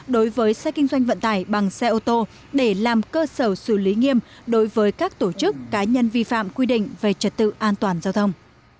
đối với xe kinh doanh vận tải bằng xe ô tô để làm cơ sở xử lý nghiêm đối với các tổ chức cá nhân vi phạm quy định về trật tự an toàn giao thông